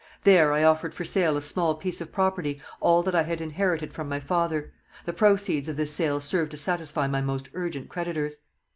There I offered for sale a small piece of property, all that I had inherited from my father. The proceeds of this sale served to satisfy my most urgent creditors.